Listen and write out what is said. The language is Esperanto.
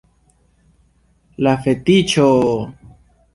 La fetiĉo!